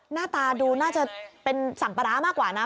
หน้าตาดูน่าจะเป็นสั่งปลาร้ามากกว่านะ